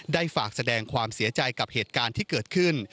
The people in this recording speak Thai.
ได้ฝากแสดงความเสียใจกับเหตุการณ์ที่เกิดขึ้น